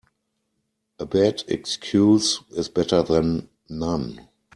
A bad excuse is better then none.